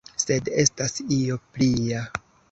Sed estas io plia.